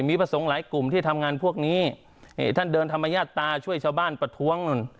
มีพระสงฆ์หลายกลุ่มที่ทำงานพวกนี้ท่านเดินธรรมญาตาช่วยชาวบ้านประท้วงนู่น